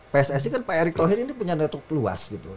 pssc kan pak erik thohir ini punya network luas gitu kan